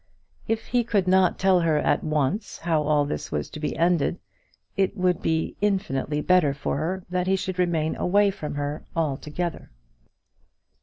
If he could not tell her at once how all this was to be ended, it would be infinitely better for her that he should remain away from her altogether.